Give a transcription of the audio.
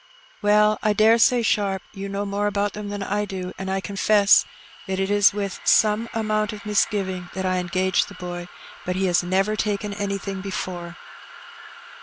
'' "Well, I dare say. Sharp, you know more about them than I do, and I confess that it was with some amount of misgiving that I engaged the boy; but he has never taken anything before."